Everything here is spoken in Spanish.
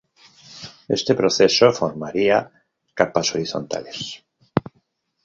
Este proceso formaría capas horizontales.